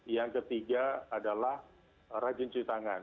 yang ketiga adalah rajin cuci tangan